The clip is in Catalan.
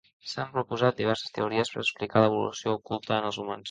S'han proposat diverses teories per explicar l'ovulació oculta en els humans.